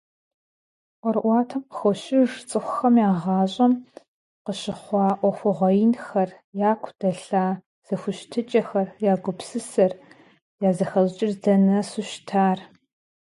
Разговор перекидывается сам от бандитов к Брынским лесам.